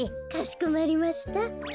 かしこまりました。